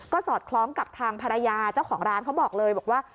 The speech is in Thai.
สอดคล้องกับทางภรรยาเจ้าของร้านเขาบอกเลยบอกว่า